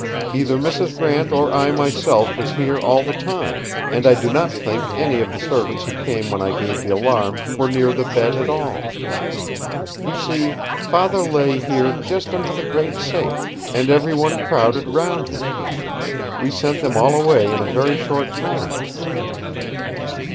Either Mrs. Grant or I myself was here all the time, and I do not think any of the servants who came when I gave the alarm were near the bed at all. You see, Father lay here just under the great safe, and every one crowded round him. We sent them all away in a very short time."